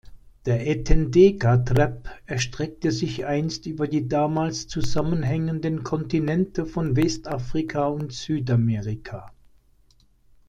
Der „Etendeka-Trapp“ erstreckte sich einst über die damals zusammenhängenden Kontinente von Westafrika und Südamerika.